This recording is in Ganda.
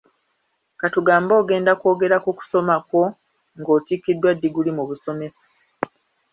Ka tugambe ogenda kwogera ku kusoma kwo nga otikiddwa ddiguli mu busomesa.